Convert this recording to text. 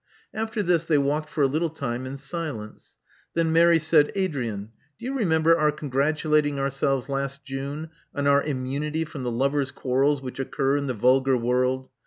*' After this they walked for a little time in silence. Then Mary said, *' Adrian: do you remember our congratulating ourselves last June on our immunity from the lovers' quarrels which occur in the vulgar world?